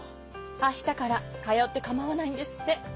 明日から通って構わないんですって。